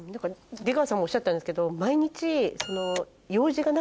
出川さんもおっしゃってたんですけど。